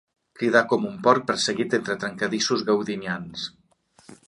Cridar com un porc perseguit entre trencadissos gaudinians.